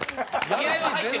気合は入ってる。